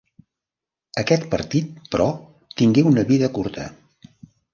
Aquest partit, però, tingué una vida curta.